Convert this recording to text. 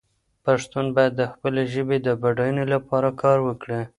پښتون باید د خپلې ژبې د بډاینې لپاره کار وکړي.